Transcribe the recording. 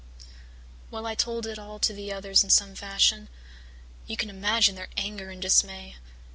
"Well, I told it all to the others in some fashion. You can imagine their anger and dismay.